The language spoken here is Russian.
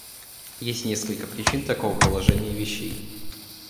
Есть несколько причин такого положения вещей.